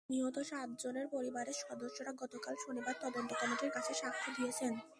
নিহত সাতজনের পরিবারের সদস্যরা গতকাল শনিবার তদন্ত কমিটির কাছে সাক্ষ্য দিয়েছেন।